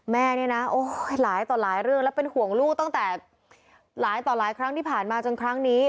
แม่เนี่ยนะโอ้ยหลายต่อหลายเรื่องแล้วเป็นห่วงลูกตั้งแต่หลายต่อหลายครั้งที่ผ่านมาจนครั้งนี้